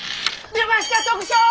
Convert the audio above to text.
出ました特賞！